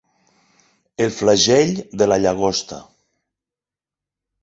El flagell de la llagosta.